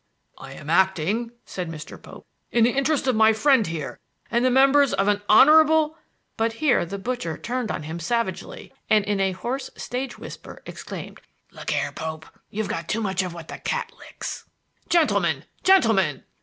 "I am acting," said Mr. Pope, "in the interests of my friend here and the members of a honorable " But here the butcher turned on him savagely, and, in a hoarse stage whisper, exclaimed: "Look here, Pope; you've got too much of what the cat licks " "Gentlemen! gentlemen!"